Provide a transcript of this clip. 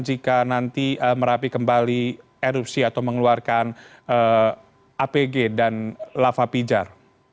jika nanti merapi kembali erupsi atau mengeluarkan apg dan lava pijar